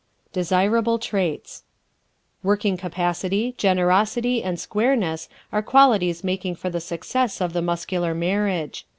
Desirable Traits ¶ Working capacity, generosity and squareness are qualities making for the success of the Muscular marriage.